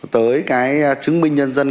tới cái chứng minh dân dân